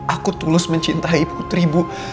aku tulus mencintai putri bu